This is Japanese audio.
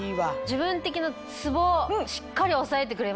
自分的なツボしっかり押さえてくれました。